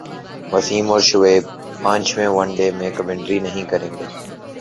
وسیم اور شعیب پانچویں one day میں کمنٹری نہیں کریں گے